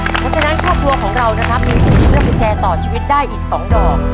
เพราะฉะนั้นครอบครัวของเรามี๔ตัวกุญแจต่อชีวิตได้อีก๒ดอก